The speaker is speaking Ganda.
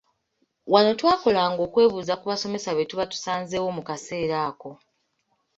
Wano twakolanga okwebuuza ku basomesa be tuba tusanzeewo mu kaseera ako.